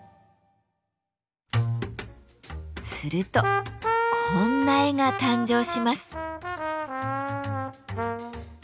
するとこんな絵が誕生します。